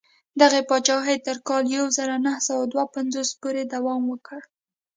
دغې پاچاهۍ تر کال یو زر نهه سوه دوه پنځوس پورې دوام وکړ.